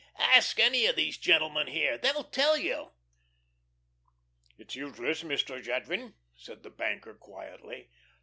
ask any of these gentlemen here. They'll tell you." "It's useless, Mr. Jadwin," said the banker, quietly.